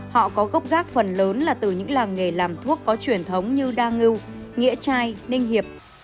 họ có gốc gác phần lớn là từ những làng nghề làm thuốc có truyền thống như đa ngưu nghĩa trai ninh hiệp